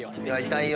痛いよ。